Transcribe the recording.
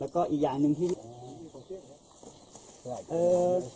แล้วก็อีกอย่างหนึ่งที่